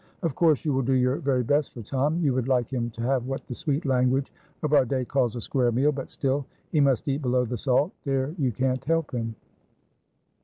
Of course you will do your very best for Tom; you would like him to have what the sweet language of our day calls a square meal. But still he must eat below the salt; there you can't help him."